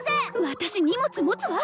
私荷物持つわ！